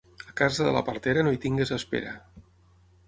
A casa de la partera no hi tinguis espera.